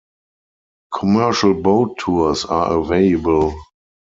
Commercial boat tours are available.